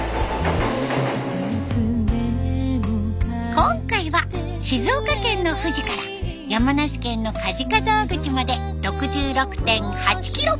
今回は静岡県の富士から山梨県の鰍沢口まで６６．８キロ。